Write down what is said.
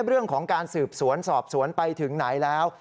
เรื่องของการสืบสวนสอบสวนไปถึงไหนแล้ว